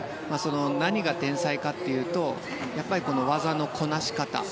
何が天才かというと技のこなし方